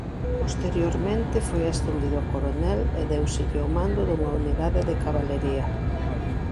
Posteriormente foi ascendido a coronel e déuselle o mando dunha unidade de cabalería.